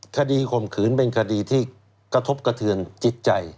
ข่มขืนเป็นคดีที่กระทบกระเทือนจิตใจ